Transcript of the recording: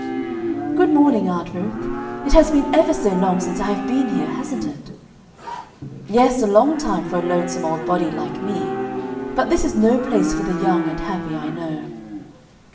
"Good morning, Aunt Ruth. It has been ever so long since I have been here, hasn't it?" "Yes, a long time for a lonesome old body like me; but this is no place for the young and happy, I know."